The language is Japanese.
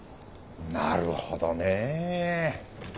なるほどねぇ。